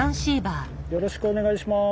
よろしくお願いします。